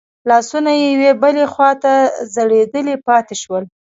لاسونه يې يوې بلې خواته ځړېدلي پاتې شول.